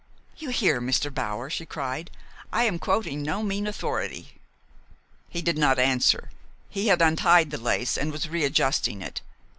"You hear, Mr. Bower?" she cried. "I am quoting no mean authority." He did not answer. He had untied the lace and was readjusting it.